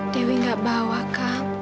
dewi gak bawa kak